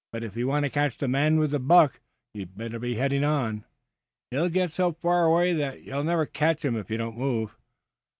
"If you want to catch the man with the buck, you'd better be heading on. He'll get so far away that you'll never catch him if you don't move."